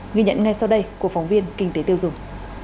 ghi nhận ngay sau đây của phóng viên kinh tế tiêu dùng